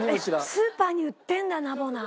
スーパーに売ってるんだナボナ。